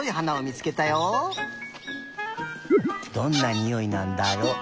どんなにおいなんだろう。